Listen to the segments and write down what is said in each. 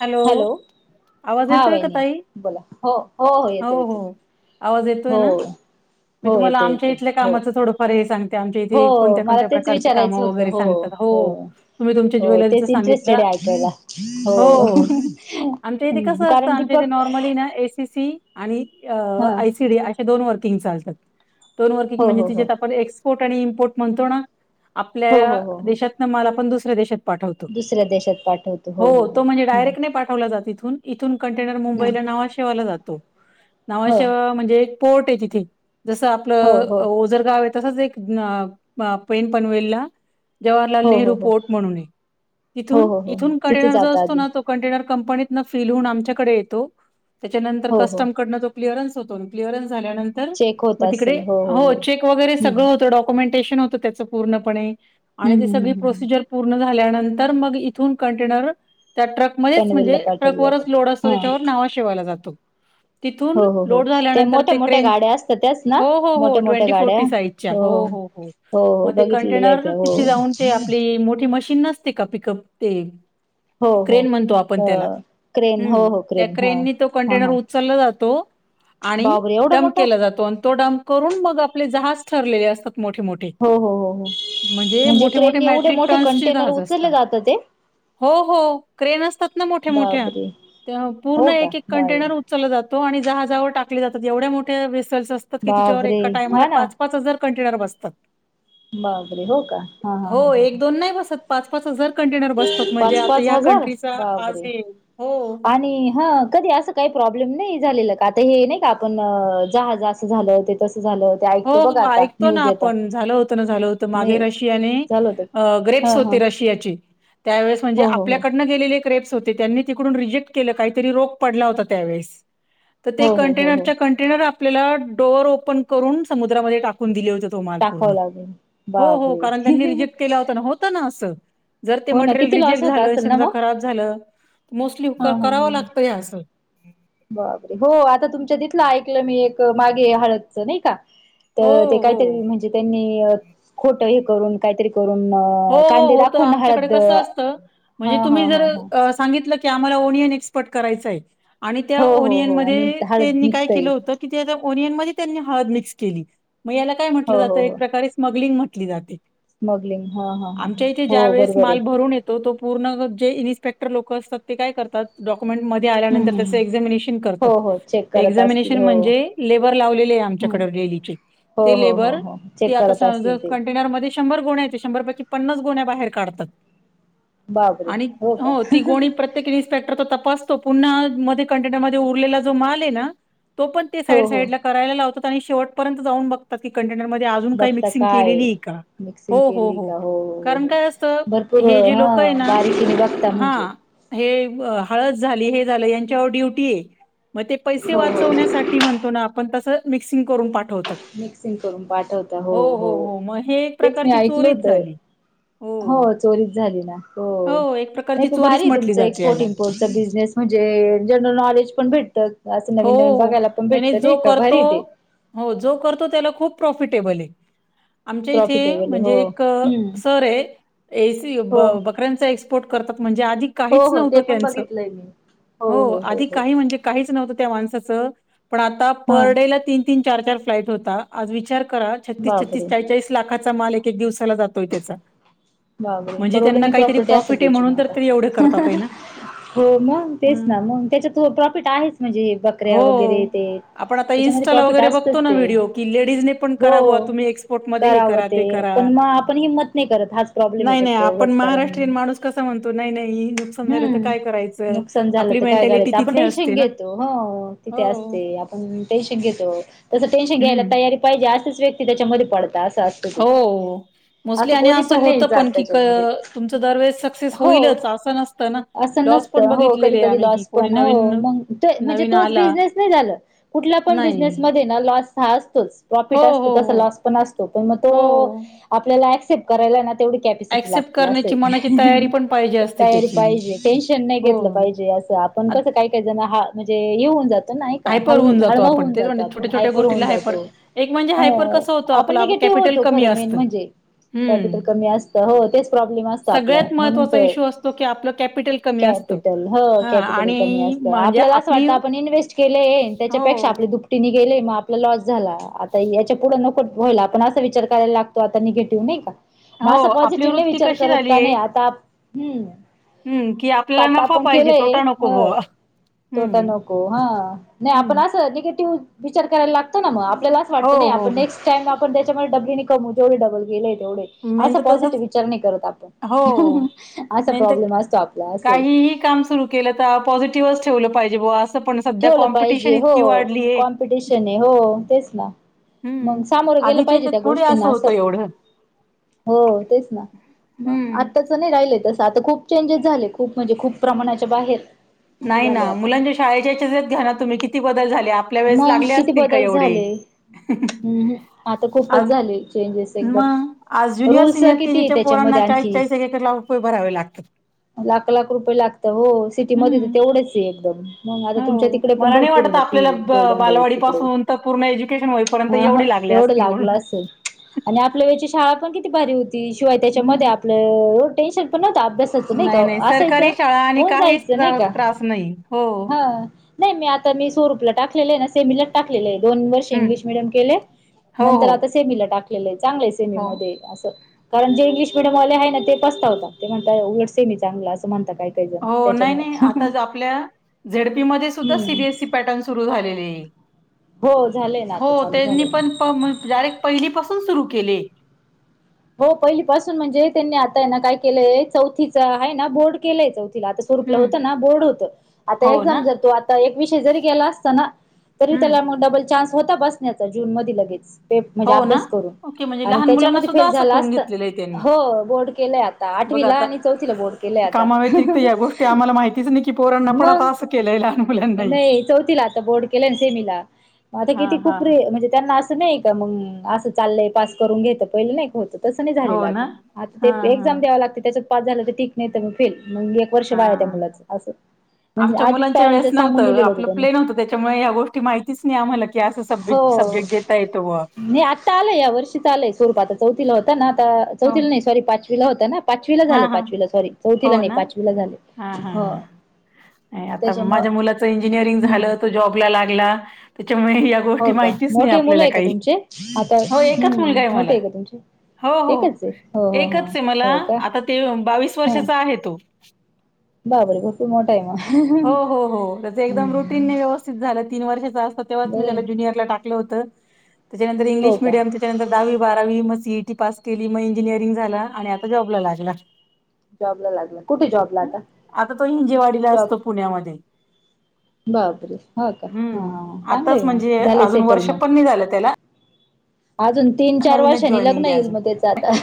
Hello आवाज हा येतोय का वहिनी ताई बोला हो हो येतो हो येतो आवाज येतोय हो ना? मी हो तुम्हाला येतो आमच्या येतो इथल्या हो कामाचं थोडफार हे सांगते. आमच्या इथे हो कोणत्या मला कोणत्या तेच प्रकारचे कामं विचारायचं होतं वगैरे सांगतात हो. तुम्ही तुमच्या हो ज्वेलरीच तेच सांगितलं. इंटरेस्टेड आहे ऐकायला हो आमच्या इथे कसं असतं कारण आमच्या इथे दीपक नॉर्मली ना एसीसी आणि हा आयसीडी अशे दोन वर्किंग चालतात दोन वर्किंग हो म्हणजे हो हो तिच्यात आपण एक्स पोर्ट आणि इमपोर्ट म्हणतो ना हो हो आपल्या हो हो देशात ना मलाण दुसऱ्या देशात पाठवतो दुसऱ्या देशात पाठवतो हो हो हो. णे हम्म डायरेट नाही पाठवला जात इथून इथून कंटेनर हम्म मुंबईला नावा शेवाला जातो. हो नावाशिवा म्हणजे एक पोर्ट आहे तिथे जसं हो आपलं हो ओझरगाव आहे. तसच एक पेन पनवेलला जवाहरलाल हो नेहरू हो हो पोर्ट म्हणून हे हो तिथून हो हो इथून तिथे कंटेनर ज जाता तू आधी ना तो कंटेनर कंपनीतण फील हुन आमच्याकडे येतो, त्याच्यानंतर हो हो कस्टमकडनं जो क्लीअरन्स होतो क्लीअरन्स झाल्यानंतर चेक होत मग तिकडे असेल हो चिक हम्म सगळं होत दोक्युमेंटेशन पण होत त्याच पूर्ण पणे हम्म आणि ती हम्म सगळी हम्म हम्म प्रोसिजर पूर्ण झाल्या नंतर मग इथून कंटेनर त्या ट्रक मध्येच म्हणजे पनवेलला पाठवलं ट्रकवरच जातं लोड असतो हा त्याच्यावर नावा शेवायला जातो. तिथून हो हो हो लोड झाल्यानंतर मोठ्या ते मोठ्या क्रेंज गाड्या असतात त्याच ना हो हो हो मोठ्या मोठ्या ट्वेंटी गाड्या फोर्टी साईजच्या हो हो. हो हो मग ते बघितलेल्या आहेत कंटेनर त्या हो तिथे जाऊन ते आपली मोठी मशी चिन्ह असते का पिकप ते हो हो क्रेन म्हणतो आपण त्याला अ क्रेन हो हम् हो त्या क्रेन हा क्रेननी तो हा कंटेनर हा उचलला जातो. आणि बाबरे एवढा डम्प मोठा केला जातो आणि तो डम्प करून मग आपले जहाज ठरलेले असतात मोठे मोठे हो हो हो हो म्हणजे मोठे मोठे क्रेनने एवढे मॅट्रिक मोठे टन्सची कंटेनर जहाज असता. उचलले जातात ते हो हो क्रेन असतात ना मोठ्या मोठ्या बाबरे तेव्हा पूर्ण हो का एक एक बाय कंटेनर उचल जा तो आणि जहाजावर टाकले जातात एवढ्या मोठ्या वेसल्स असतात की त्याच्यावर बाबरे एका टायमाला हा पाच पाच हजार कंटेनर बसतात. बाप रे हो का हा हा हो हा ह. एक दोन नाही बसत पाच पाच हजार कंटेनर बसतात म्हणजे आता ह्यात बाप रे आणि हं कधी अस काही प्रब्लेम नाही झालेल. आता हे नाही का आपण जहाज असं झालं तेसं हो हो ऐकतो ना आपण झाल होतं ना झालं होतं म मागे रशियाने झालं होत हा ग्रेप्स हा होते. रशियाचे त्यावेळेस म्हणजे हो हो हो आपल्याकडनं गेलेले रिप्स होते त्यांनी तिकडून रिजेक्ट के काहीतरी रोख पडला होता त्यावेळेसं. तर ते हो हो हो हो कंटेनरच्या कंटेनर आपल्याला डोअर ओपन करून समुद्रामध्ये टाकून दिले. तो माल टाकावं पूर्ण लागेल हो हो बापरे कारण त्यांनी रिजेक्ट केला होता, होत ना अस. जर ते हो ना मटेरियल किती लॉस रिजेक्ट झालं समजा खराब झालं मोस्टली हा हा करावं ह लागतं हे असं बरोबर हो आता तुमच्या तथलं ऐकलं मी एक मागे हळदच नाही का हो तर ते हो काहीतरी म्हणजे त्यांनी खोट हे करून काहीतरी करून हो अ, हो कांदे हो दाखवून आमच्याकडे हळद कस असतं हा म्हणजे हा तुम्ही जर हा हा सांगितलं की क आम्हाला ओनियन एक्सपोर्ट करायचंय. आणि त्या हो हो ओरियन हो आणि मध्ये हळद त्यांनी काय निघतय केलं होतं की त्या ओनियन मध्ये त्यांनी हळद मिक्स केली. मग याला काय म्हटलं जातं एक प्रकारे स्मग्लिंग म्हटली जाते. स्मग्लिंग आमच्या इथे ज्या वेळेस माल भरून येतो तो पूर्ण जे इन्स्पेक्टर लोक असतात ते काय करतात डॉ पेमेंट मध्ये आल्यानंतर हम्म त्याच हम् एक्झामिनेशन हो करतात हो चेक करत असतील एक्झामिनेशन हो म्हणजे लिव्हर लावलेले आम [unintelligible] हम्म डेलीचे हो ते हो हो लेबर हो ते चेक आता करत असतील समाजा ते कंटेनरमध्ये शंभर गोण्या्या शंभर पैकी पन्नास गोण्या् बाहेर काढतात. बाबरे आणि का हो ती गोणी प्रत्येक इनिस्पेक्टर तो तपास तो पुन्हा मध्ये कंटेनर मध्ये उरलेला जो माल आहे ना तो पण हो साईड हो साईड करायला लावतात. शेवटपर्यंत जाऊन बघतात की कंटेनरमध्ये अजून काही बघता मिक्सिंग काय केलेली आहे का? मिक्सिंग हो केली हो का हो हो कारण हो काय असत भरपूर हे जे हा लोक आहे ना बारीकीने बघता हा म्हणजे हे हळद झाली हे झालं यांच्यावर ड्युटी आहे. मग ते पैसे हो हो वाचवण्यासाठी म्हणतो ना आपण तसं मिक्सिंग करून पा मिक्सिंग करून पाठवता हो हो हो मग हे एक तेच मी प्रकारची ऐकल चोरीच होतं झाली. हो चोरीच झाली ना हो. एक नाही प्रकारची प चोरीच भारी म्हटली तुमचं जाते याला एक्सपोर्ट इम्पोर्टचा बिझनेस म्हणजे जनरल नॉलेज पण भेटतं. असं हो नवीन नवीन बघायला पण नाही भेटतं जो का करतो भारी ते हो जो करतो त्याला खूप प्रफिटेबल आमच्या इथे प्रॉफिटेबल हो म्हणजे एक हम्म सर आहेत. एसी हो बकऱ्यांचा एक्सपोर्ट करतात म्हणजे आधी हो काहीच हो नव्हतं ते पण त्यांचं. बघितलंय मी हो आधी काही म्हणजे काहीच नव्हतं. माणसाच पण आता हा पर डे ला तीन तीन चार चार फ्लाट होता आज विचार- करा छत्तीस छत्तीस बाबरे चाळीस चाळीस लाखाचा माल एक एक दिवसाला जातोय त्याचा. बाबर म्हणजे त्यांना करोडोंनी काहीतरी प्रॉपर्टी असेल प्रॉफिट आहे त्याची म म्हणून तर आता. ते एवढे करतात आहे ना. हो मग तेच हं. ना मग त्याच्यात प्रॉफिट आहेच म्हणजे बकऱ्या वगैरे हो. ते. आपण आता त्याच्यामध्ये इनस्टाला प्रॉफिट वगैरे असतच बघतो ना ते व्हिडिओ की लेडीजने पण करा बुवा हो तुम्ही एक्सपोर्ट मध्ये हे करा ते करा. पण मग आपण हिंमत नाही करत. प्रॉब्लेम आहे नाही नाही फक्त आपण एवढाच कारण महाराष्ट्रीयन माणूस कसा म्हणतो नाही नाही नुकसान झालं तर हम्म काय करायचं? नुकसान झालं आपल्या काय करायचं आपण टेनशन घेतो. हो तिथे हो. असते आपण टेन्शन घेतो तस टेन्शन घ्यायला हं. तयारी पाहिजे. च व्यक्ती त्याच्यामध्ये पडतात असं असत ते हो. मोस्टली असं आणि कोणी पण होतं की क नाही. तुमचं दरवेळेस सक्सेस हो होईलच असं नसतं ना. असं लॉस नसत पण हो कधी बघितलेले कधी आम्ही की कोणी नवीन हो मग म्हणजे नवीन तोच आला बिझनेस नाही झाला म्हणजे कुठल्या नाही. बिझनेस मध्ये लॉस असतो हो, प्रॉफिट असतो हो, तसा हो. लॉस पण असतो पण मग तो हो. आपल्याला अस्पेक्ट करायलाणा तेवढी कॅपसिटी ॲक्सेप्ट लागते असं करण्याची मनाची तयारी पण पाहिजे असते तयारी त्याची. पाहिजे टेन्शन नाही हो. घेतलं पाहिजे असं आपण आत कस काही काही जण हां म्हणजे येऊन जात. हायपर होऊन जातो, आपण तेच म्हणजे छोट्या छोट्या हायपर होऊन गोष्टीला हायपर, जातो एक म्हणजे हायपर अ कस होतो आपण आप निगेटिव्ह कॅपिटल कमी असतं. ते असतं हो तेच प्रॉब्लेम असतो आपला सगळ्यात तेच महत्वाचा तर हो इश्यू असतो, की आपलं कॅपिटल कमी असतं. कॅपिटल. हां कॅपिटल कमी आणि असतं म्हणजे आपल्याला असं आपली वाटतं आपण इन्वेस्ट केय हो, त्याच्यापेक्षा आपले दुपटीने गेलेय मग आपला लॉस झाला आता याच्या पुढं नको. होईल आपण असा विचार करायला लागतो आता निगेटिव्ह नाही का? मग हो. असा आपली पॉझिटिव्ह नाही वृत्ती विचार कशी करत का झाली आहे नाही आता हम्म हं, की आपल्याला आता नफा आपण पाहिजे, केलंय तोटा नको हो. बुवा. तोटा हं, नको हा नाही आपण हं. असं निगेटिव्ह विचार करायला लागतो ना मग आपल्यालाच हो, वाटतं नाही हो, आपण हो. नेक्स्ट टाईम आपण त्याच्या डबलीनी कमऊ जेवढ डबल गेले तेवढे. मेन असा तर तसंच पॉझिटिव विचार नाही करत हो. आपण असा मेन तर प्रॉब्लेम असतो आपला. काहीही काम सुरू केलं तर पॉझिटिव्ह ठेवलं पाहिजे बुवा. पण सध्या ठेवलं कॉम्पिटिशन पाहिजे हो इतकी वाढलीय. कॉम्पिटिशन आहे हो तेच ना मग सामोरं गेलं आधीच्या पाहिजे याच्यात त्या थोडी गोष्टींना असं. होतं एवढं. हो तेच ना मग हम्म. आत्ताच नाही राहिलंय तस आता खूप. चेंजेस झाले खूप म्हणजे खूप प्रमाणाच्या बाहेर. असं नाही ना झालंय आता मुलांच्या शाळेच्या चत घ्या ना तुम्ही किती बदल झाले. आपल्या वेळेस मग लागले किती असतील का बदल एवढे? झाले हम् आता खूपच आज झाले चेंजेस एकदम मग आज ज्युनियर रूल्स सिनियर किती केजीच्या पोरांना त्याच्यामध्ये चाळीस आणखी चाळीस एक एक लाख रुपये भरावे लागतात. लाख लाख रुपये लागतं हो सिटीमध्ये तर हम्म. तेवढंच आहे. एकदम मग आता तुमच्या हो तिकडे पण मला नाही भरपूर आहे वाटत ना फी. आपल्याला ब गोल्डन डे बालवाडी इकडे पासून तर पूर्ण एज्युकेशन होईपर्यंत हा हा एवढे लागले एवढं असतील लागलं म्हणून. असेल. आणि आपल्या वेळची शाळा पण किती भारी होती. शिवाय त्याच्यामध्ये हम्म. आपलं टेन्शन पण नव्हतं. अभ्यासाचं नाही का असायचं सरकारी शाळा आणि होऊन काहीच जायचं नाही त्रा का त्रास नाही. हो. हा. नाही मी आता मी स्वरूपला टाकलेले आहे ना सेमीला टाकलेले आहे दोन वर्ष इंगलिश हम्म. मिडियम केले. हो नंतर हो. आता सेमीला टाकलेलं आहे चांगलंय सेमी हो. मध्ये असं. कारण जे इंग्लिश मिडयमले आहे ना ते पसतावतात. होताात ते म्हणजे उघडसे मी चांगलं असं म्हणतात हो नाही नाही आता आपल्या झेडपी मध्ये सुद्धा सी हम्म बी एस ई पॅटर्न सुरू झालेले आहे. हो झालंय ना आता हो चालू त्यांनी झालंय ना पण पहिली पासून सुरू केली. हो पहिली पासून म्हणजे त्यांनी आता ना काय केलंय चौथीच आहे ना बोर्ड केलंय. आता स्वरूपला होत हम्म ना बोर्ड होत आता हो ना एक्झाम जर तो आता एक विषय जरी गेला असता ना. तरी हम्म त्याला मग डबल चान्स होता बसण्याचा जून मध लगेच. म्हणजे हो ना अभ्यास करून ओके म्हणजे आणि लहान मुलांना त्याच्यामध्ये. फेल सुद्धा असं झाला करून असत घेतलेलं आहे त्यांनी हो बोर्ड केलंय आता बघ आठवीला आता आणि चौथीला बोर्ड केलंय आता. कामाव्यतिरिक्त या गोष्टी आम्हाला माहितीच नाही की पोरांना पण मग आता असं केलंय लहान मुलांनाही नाही चौथीला आता बोर्ड केलं ना सेमीला. मग आता हा किती हा खूप रे म्हणजे त्यांना असं नाही का मग असं चाललंय पास करून घेत पहिलं नाही का होत. तस नाही हो झालेलं आता ना आता ते हा हा एक्झाम द्याव लागते त्याच्यात पास झालं तर ठीक नाही तर मग फेल. मग एक वर्ष हा बाळ त्या मुलाचं असं. म्हणजे आमच्या आधीच मुलांच्या वेळेस पॅरेंटला सांगून नव्हतं दिलेलं होतं आपलं त्यांनी प्लेन न होतं त्याच्यामुळे या गोष्टी माहितीच नाही आम्हाला. सा स हो सब्जेक्ट देताय तो. आता आलंय या वर्षीच आलय स्वरूप आता चौथला होता ना आता हो चौथला नाही सॉरी पाचवी. होता ना पाचवी ला हा झाले हा पाचवीला सॉरी चौथीला हो नाही ना? पाचवी ला झाले हां, हां, हो. हां. आता त्याच्यामुळं माझ्या मुलाच इंजिनरिंग हम्म झालं तो जॉबला लागला त्याच्यामुळे गोष्टी हो का माहितीच नाही मोठे मुलं आपल्याला आहे का काही तुमचे आता हो एकच मुलगा हम्म आहे मोठे मला. का तुमचे हो हो एकच आहे हो हो एकच हो आहे मला हो का आता ते बावीस वर्षाचा आहे तो. बापर ब मोठा. आहे मग हो हो हो त्या एकदम हम्म रुटीन व्यवस्थित झालं. तीन वर्षाचा असत तेव्हा मी बरं आहे त्या ज्युनियरला टाकलं होतं हो त्याच्यानंतरंग्लिश का मिडिय त्याच्यांतर दहावी भाग. मग सीईटी पास केली मग इंजिनिअरिंग झाला आणि आता जॉब ला लागला. जॉब ला लागला कुठे जॉब ला हं. आता आता तो हिंजेवाडीला जॉब. [unintelligible] बापरे हो का हं. हा आताच चांगलंय मग म्हणजे झालंय अजून सेटल वर्ष मग. पण नाही झालं त्याला. [inaudible] अजून तीन चार नवीनच वर्षांनी लग्न जॉईनिंग आहे येईल अजून मुलीच आता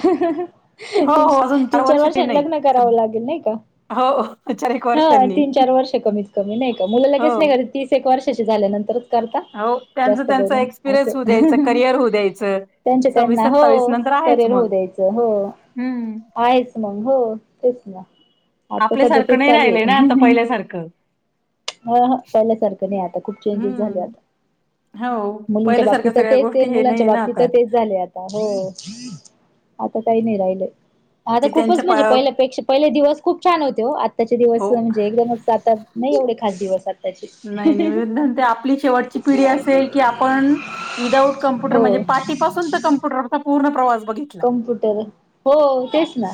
हो हो अजून तीन चार वर्ष ते वर्षांनी नाही लग्न. करावं सद- लागेल नाही का हो चारक हा वर्षांनी तीन चार वर्ष कमीत कमी नाही का हो मुलंच नाही तीस एक वर्षा झाल्यानंतर करता हो त्यांच जास्त त्यांचा करून असं एक्सपिरियन्स होऊ द्यायचं करिअर होऊ द्यायचं त्यांच्या सव्वीस त्यांना हो सत्तावीस नंतर आहेच करिअर होऊ मग द्यायचं हो हम्म आहेच मग हो तेच ना आता सध्या आपल्यासारखं तेच नाही चालू राहिलय आहे ना आता पहिल्यासारखं हा हा पहिल्यासारखं नाही आता खूप चेंजेस झाले हम्म आता हो पहिल्यासारख्या सगळ्या गोष्टी तीन हे नाही मुलांच्या आहे ना बाबतीत आता तेच झाले आता हो आता काही नाही राहिलंय. आता जे खूपच त्यांच्या म्हणजे पायावर पहिल्यापेक्षा पहिले दिवस खूप छान होते हो. आत्ताचे दिवस हो म्हणजे एकदमच आता नाही एवढे खास दिवसात. नाही नाही आपली शेवटची पिढी असेल की आपण विदाउट कं कंप्युटर हो म्हणजे पाटी पासून तर कम्प्यटरचा संपूर्ण प्रवास. बघितला कम्प्युटर हो तेच ना.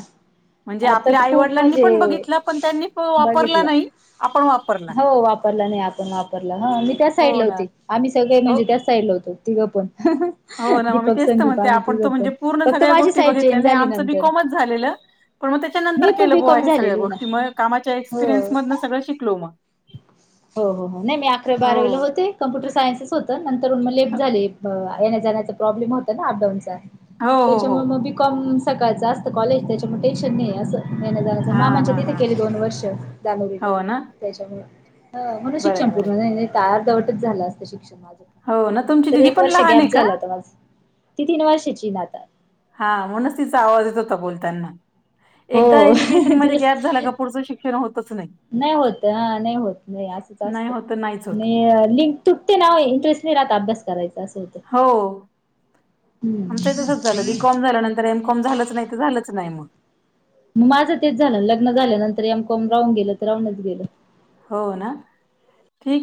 म्हणजे आता आपल्या तर आई खूप वडिलांनी म्हणजे पण बघितलं पण त्यांनी प- वापरला बघितलं नाही आपण वापरला हो. वापरला नाही आपण वापरला ह मी त्याच साईड हो ला ना. होते आम्ही सगळे हो म्हणजे त्याच साईड लाव होतो तिघं पण. हो ना मग मी दीपक तेच संदीप म्हणते आम्ही आपण तिघं तो पण म्हणजे पूर्ण फक्त सगळ्या माझी गोष्टी साईड बघितल्या चेंज नाही झाली आमचं नंतर बीकॉमच झालेलं. पण मग त्याच्यानंतर मी पण केलं बोवा बीकॉम हे सगळ्या झालेली ना गोष्टी मग कामाच्या एक्सपिरियन्स हो मधन सगळं शिकलो मग. हो हो हो नाही मी अकरावी हो. बारावीला होते कम्प्युटर सायन्सेस होत नंतर मगले ह- झाले. येने जाण्याचा प्रॉब्लेम होत ना अपडाऊन चा हो हो हो त्याच्यामुळे मग बी कॉम सकाळचं असतं कॉलेज त्याच्यामुळे टेन्शन नाही असं मेहनत जाच हा मा म्हांच्या हा तिथे हा केली दोन वर्ष हा दलोरीला हो ना त्याच्यामु म्हणून बरं शिक्षण आहे बरं पूर्ण आहे. नाही तार दवटच झालं असत शिक्ष हो ना तुमची दिदी एक पण वर्ष लहान गॅप आहे का? झालं हो माझ ती तीन वर्षाची नाता हा म्हणूनच तिचा आवाज येत होता बोलताना एकदा हो एज्युकेशन मध्ये तिला गॅप झाला का पुढचं शिक्षण होतच नाही नाही होत नाही होत नाही असंच नाही असतं होत नाहीच होत. लिंक तुटते ना इंटरेस्ट नाही रा अभ्यासरायचा असत हो आमच तसच झालं बीकॉम झालं नंतर एम कॉम झालं नाही झा नाही मग मग माझं तेच झालं लग्न झाल्यानंतर या कोम राहून गेलं तर राहूनच गेलं हो ना ठीक आहे